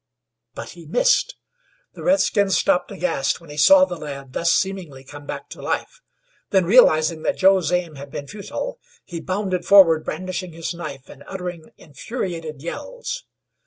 But he missed. The redskin stopped aghast when he saw the lad thus seemingly come back to life. Then, realizing that Joe's aim had been futile, he bounded forward, brandishing his knife, and uttering infuriated yells.